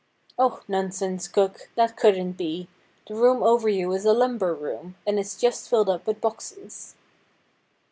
' Oh, nonsense, cook. That couldn't be. The room over you is a lumber room, and it's just filled up with boxes.'